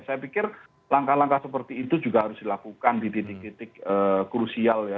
saya pikir langkah langkah seperti itu juga harus dilakukan di titik titik krusial ya